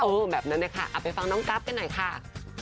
เออแบบนั้นเลยค่ะไปฟังน้องกรัฟกันหน่อยค่ะ